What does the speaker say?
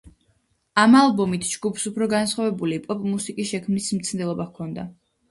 ამ ალბომით ჯგუფს უფრო განსხვავებული პოპ-მუსიკის შექმნის მცდელობა ჰქონდა.